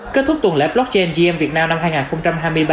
cách thuốc tuần lễ blockchain gm việt nam năm hai nghìn hai mươi ba